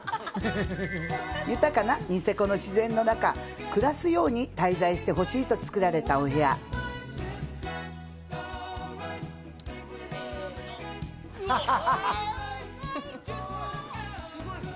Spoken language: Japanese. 豊かなニセコの自然の中暮らすように滞在してほしいと造られたお部屋せーの最高！